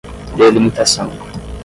delimitação